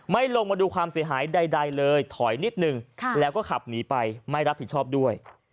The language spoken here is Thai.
ลงมาดูความเสียหายใดเลยถอยนิดนึงแล้วก็ขับหนีไปไม่รับผิดชอบด้วย